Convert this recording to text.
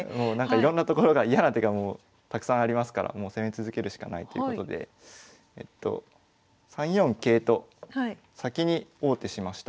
いろんな所が嫌な手がもうたくさんありますから攻め続けるしかないということで３四桂と先に王手しました。